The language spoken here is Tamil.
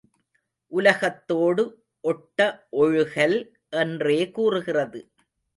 உலகத்தோடு ஒட்ட ஒழுகல் என்றே கூறுகிறது.